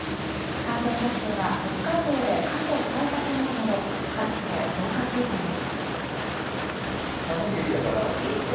感染者数が北海道で過去最多となるなど各地で増加傾向に。